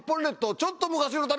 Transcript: ちょっと昔の旅！